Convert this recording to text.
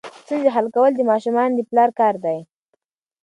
ستونزې حل کول د ماشومانو د پلار کار دی.